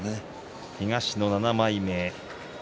東の７枚目。